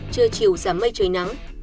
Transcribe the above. trưa chiều giảm mây trời nắng